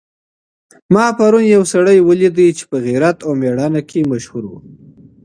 ما پرون یو سړی ولیدی چي په غیرت او مېړانه کي مشهور و.